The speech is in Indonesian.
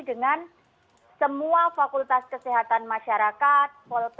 dengan semua fakultas kesehatan masyarakat